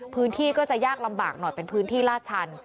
พื้นที่ก็จะยากลำบากหน่อยเป็นพื้นที่ลาดชัน